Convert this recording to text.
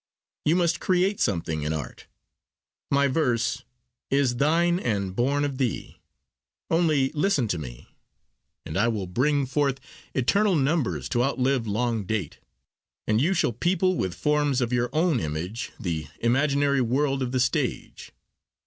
You must create something in art: my verse 'is thine, and born of thee'; only listen to me, and I will 'bring forth eternal numbers to outlive long date,' and you shall people with forms of your own image the imaginary world of the stage.